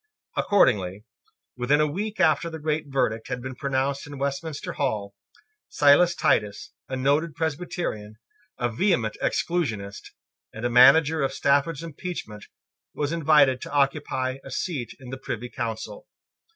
Accordingly, within a week after the great verdict had been pronounced in Westminster Hall, Silas Titus, a noted Presbyterian, a vehement Exclusionist, and a manager of Stafford's impeachment, was invited to occupy a seat in the Privy Council.